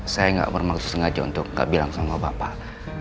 saya nggak bermaksud sengaja untuk gak bilang sama bapak